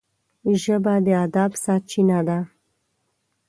ژبه د ادب سرچینه ده